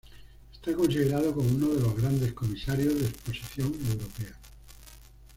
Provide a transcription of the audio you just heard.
Está considerado como uno de los grandes comisarios de exposición europea.